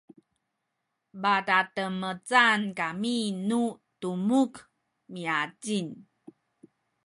padademecen kami nu tumuk miacin